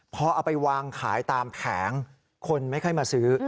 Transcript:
พอเอาไปวางขายตามแผงคนไม่ค่อยมาซื้อ